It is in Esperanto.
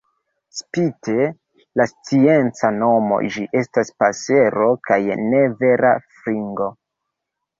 Spite la scienca nomo, ĝi estas pasero kaj ne vera fringo.